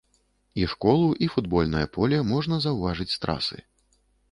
І школу, і футбольнае поле можна заўважыць з трасы.